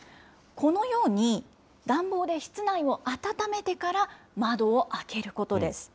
このように、暖房で室内を暖めてから窓を開けることです。